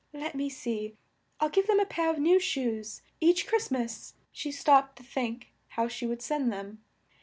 Let me see: I'll give them a pair of new shoes each, Christ mas." She stopped to think how she would send them.